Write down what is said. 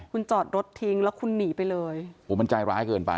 คุณจอดรถทิ้งแล้วคุณหนีไปเลยโหมันใจร้ายเกินไป